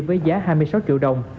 với giá hai mươi sáu triệu đồng